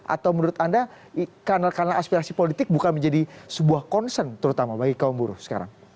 atau menurut anda kanal kanal aspirasi politik bukan menjadi sebuah concern terutama bagi kaum buruh sekarang